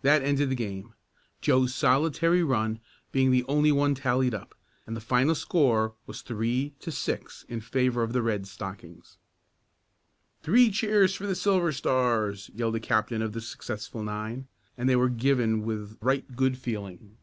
That ended the game, Joe's solitary run being the only one tallied up, and the final score was three to six in favor of the Red Stockings. "Three cheers for the Silver Stars!" called the captain of the successful nine and they were given with right good feeling.